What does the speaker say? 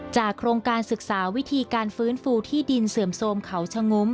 โครงการศึกษาวิธีการฟื้นฟูที่ดินเสื่อมโทรมเขาชะงุ้ม